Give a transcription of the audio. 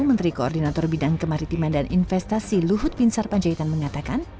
menteri koordinator bidang kemaritiman dan investasi luhut pinsar panjaitan mengatakan